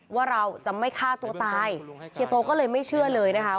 ว่าเราจะไม่ฆ่าตัวตายเฮียโตก็เลยไม่เชื่อเลยนะคะ